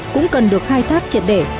cũng cần được khai thác triệt để